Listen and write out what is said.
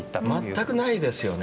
全くないですよね。